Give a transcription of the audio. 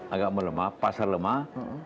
agak melemah pasar lemah